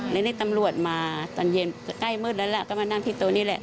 แล้วนี่ตำรวจมาตอนเย็นใกล้มืดแล้วล่ะก็มานั่งที่โต๊ะนี่แหละ